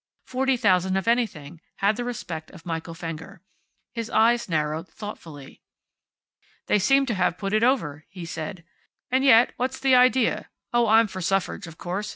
Forty thousand of anything had the respect of Michael Fenger. His eyes narrowed, thoughtfully. "They seem to have put it over," he said. "And yet, what's the idea? Oh, I'm for suffrage, of course.